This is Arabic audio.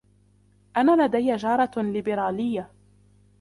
أنا لدي جارة ليبرالية.